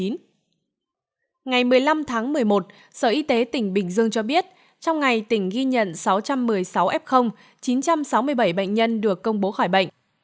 ngày một mươi năm tháng một mươi một sở y tế tỉnh bình dương cho biết trong ngày tỉnh ghi nhận sáu trăm một mươi sáu f chín trăm sáu mươi bảy bệnh nhân được công bố khỏi bệnh